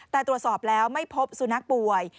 แต่ตรวจสอบแล้วไม่พบสุนัขป่วย